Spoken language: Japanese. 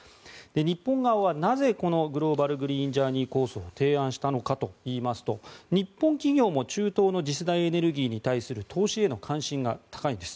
日本側はなぜこのグローバル・グリーン・ジャーニー構想を提案したのかといいますと日本企業も中東の次世代エネルギーに対する投資への関心が高いんです。